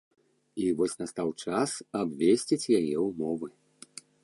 І вось настаў час абвесціць яе ўмовы.